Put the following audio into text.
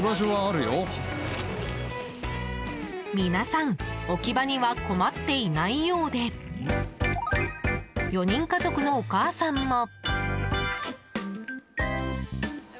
皆さん置き場には困っていないようで４人家族のお母さんも。